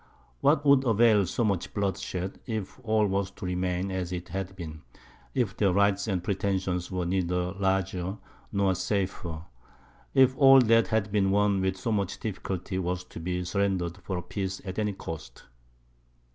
What would avail so much bloodshed, if all was to remain as it had been; if their rights and pretensions were neither larger nor safer; if all that had been won with so much difficulty was to be surrendered for a peace at any cost?